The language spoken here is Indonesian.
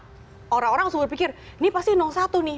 karena orang orang langsung berpikir ini pasti satu nih